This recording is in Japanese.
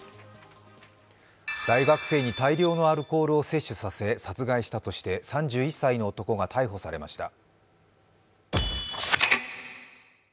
大学生に大量のアルコールを摂取させ殺害したとして３１歳の男が逮捕されました。